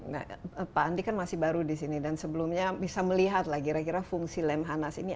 nah pak andi kan masih baru di sini dan sebelumnya bisa melihat lah kira kira fungsi lemhanas ini